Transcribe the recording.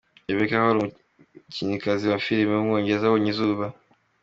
Rebecca Hall, umukinnyikazi wa filime w’umwongereza yabonye izuba.